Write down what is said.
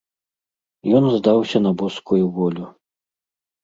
Ён здаўся на боскую волю.